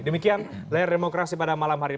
demikian layar demokrasi pada malam hari ini